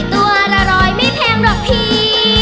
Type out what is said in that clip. ตัวละร้อยไม่แพงหรอกพี่